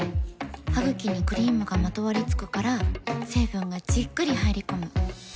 ハグキにクリームがまとわりつくから成分がじっくり入り込む。